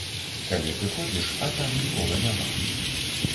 Калі прыходзіш, а там нікога няма.